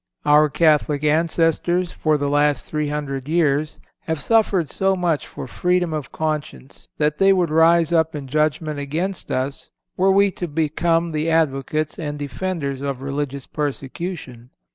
Our Catholic ancestors, for the last three hundred years, have suffered so much for freedom of conscience that they would rise up in judgment against us were we to become the advocates and defenders of religious persecution.